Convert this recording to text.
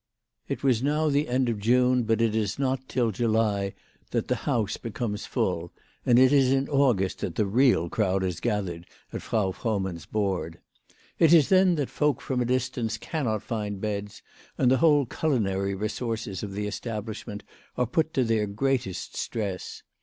It was now the end of June ; but it is not 30 WHY FRAU FROHMAKtf RAISED HER PRICES. till July that the house becomes full, and it is in August that the real crowd is gathered at Frau Frohmann's board. It is then that folk from a distance cannot find beds, and the whole culinary resources of the establishment are put to their greatest stress.